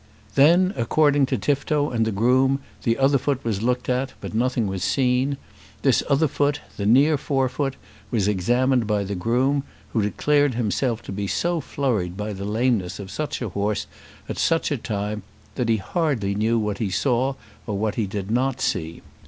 Then, according to Tifto and the groom, the other foot was looked at, but nothing was seen. This other foot, the near fore foot, was examined by the groom, who declared himself to be so flurried by the lameness of such a horse at such a time, that he hardly knew what he saw or what he did not see.